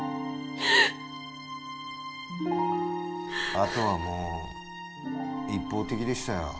あとはもう一方的でしたよ。